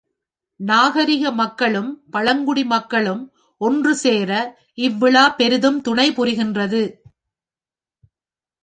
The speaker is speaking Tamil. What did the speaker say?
நாகரிக மக்களும், பழங்குடி மக்களும் ஒன்றுசேர இவ்விழா பெரிதும் துணைபுரிகின்றது.